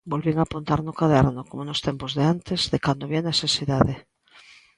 Volvín apuntar no caderno, como nos tempos de antes, de cando había necesidade.